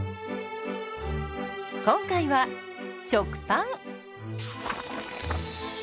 今回は食パン。